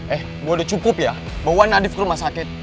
eh gue udah cukup ya bawa nadif ke rumah sakit